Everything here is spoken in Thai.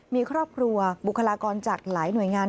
มีครอบครัวบุคลากรจากหลายหน่วยงาน